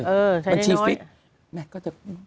ใช้น้อยบัญชีฟิกแม่ก็จะ